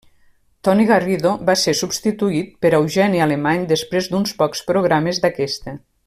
Toni Garrido va ser substituït per Eugeni Alemany després d'uns pocs programes d'aquesta.